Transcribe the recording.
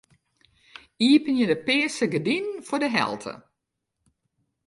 Iepenje de pearse gerdinen foar de helte.